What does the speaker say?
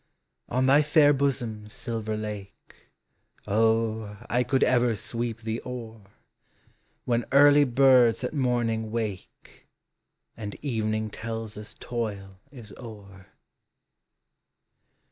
V — 14 210 POEMS OF NATURE. On thy fair bosom, silver lake, O, I could ever sweep the oar, When early birds at morning wake, And evening tells us toil is o'er!